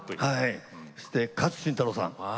そして勝新太郎さん。